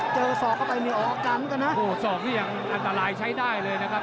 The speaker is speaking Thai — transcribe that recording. เจอศอกเข้าไปมีออกกันกันนะโอ้ศอกนี่ยังอันตรายใช้ได้เลยนะครับ